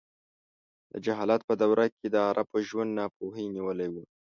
د جهالت په دوره کې د عربو ژوند ناپوهۍ نیولی و.